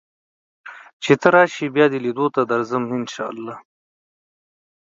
چې ته راشې بیا دې لیدو ته درځم ان شاء الله